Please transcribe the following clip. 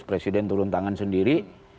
presiden turun tangan sendiri